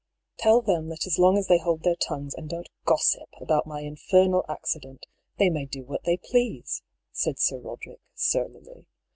^* Tell them that as long as they hold their tongues and don't gossip about my infernal accident, they may do what they please," said Sir Roderick, surlily.